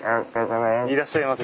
いらっしゃいませ。